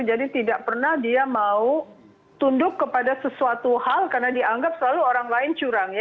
jadi tidak pernah dia mau tunduk kepada sesuatu hal karena dianggap selalu orang lain curang